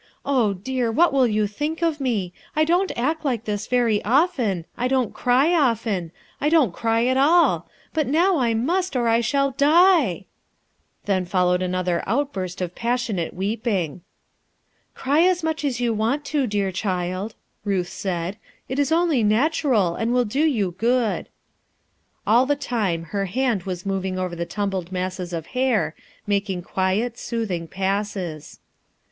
Oh, dear! what will you think of me? I don't act like this very often; I don't cry often — I don't cry at all ! but now I must, or J shall die I" Then followed another outburst of passionate weeping, "Cry as much as you want to, dear child/' Huth said. "It is only natural, and will do you good," All the time her hand was moving over the tumbled masses of hair, making quiet, soothing passes.